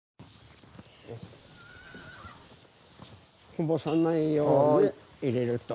こぼさないように入れると。